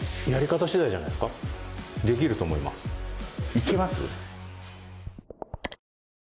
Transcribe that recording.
いけます？